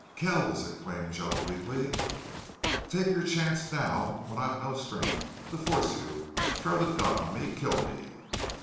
"Kells!" exclaimed Joan, weakly. "Take your chance now when I've no strength to force you.... Throw the gun on me.... Kill me!"